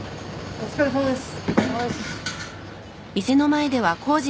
お疲れさまです。